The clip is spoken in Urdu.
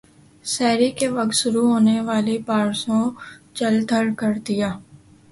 سحری کے وقت شروع ہونے والی بارشوں جل تھل کر دیا